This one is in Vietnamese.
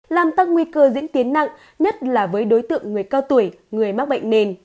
làm tăng nguy cơ diễn tiến nặng nhất là với đối tượng người cao tuổi người mắc bệnh nền